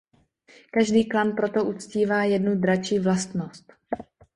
Každý klan proto uctívá jednu dračí vlastnost.